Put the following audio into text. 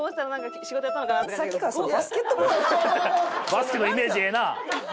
バスケのイメージええなあ！